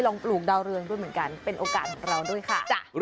ปลูกดาวเรืองด้วยเหมือนกันเป็นโอกาสของเราด้วยค่ะ